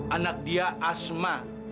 anak dia asma